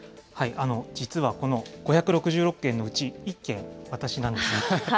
実はこの５６６件のうち１件、私なんです。